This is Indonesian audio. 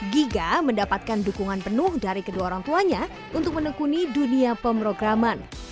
giga mendapatkan dukungan penuh dari kedua orang tuanya untuk menekuni dunia pemrograman